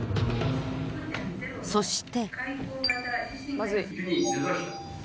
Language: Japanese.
そして。